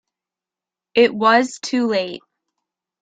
It was too late.